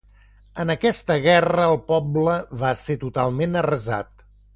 En aquesta guerra el poble va ser totalment arrasat.